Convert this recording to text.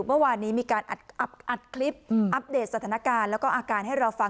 เมื่อวานนี้มีการอัดคลิปอัปเดตสถานการณ์แล้วก็อาการให้เราฟัง